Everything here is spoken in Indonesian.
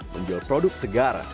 menjual produk segar